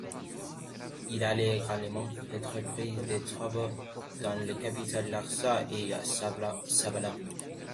Il a également entrepris des travaux dans sa capitale Larsa et à Zabalam.